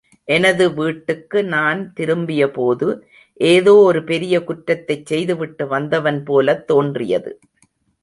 எனது வீட்டுக்கு நான் திரும்பிய போது ஏதோ ஒரு பெரிய குற்றத்தைச் செய்துவிட்டு வந்தவன் போலத் தோன்றியது.